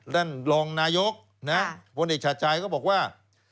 หลองนายกโบเนตชาติชัยก็บอกว่า